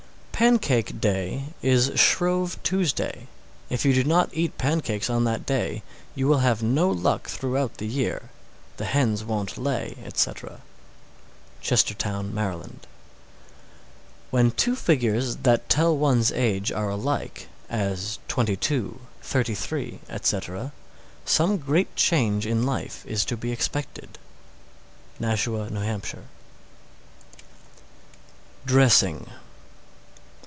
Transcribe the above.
_ 620. Pancake Day is Shrove Tuesday. If you do not eat pancakes on that day, you will have no luck throughout the year. The hens won't lay, etc. Chestertown, Md. 621. When the two figures that tell one's age are alike, as 22, 33, etc., some great change in life is to be expected. Nashua, N.H. DRESSING.